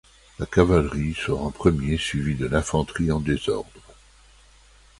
La cavalerie sort en premier, suivie de l'infanterie en désordre.